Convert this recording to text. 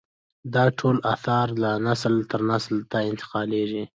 دا ټول اثار له نسله تر نسل ته انتقالېدل.